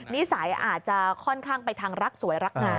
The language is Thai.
นิสัยอาจจะค่อนข้างไปทางรักสวยรักงาม